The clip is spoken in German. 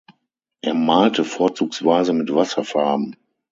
Er malte vorzugsweise mit Wasserfarben.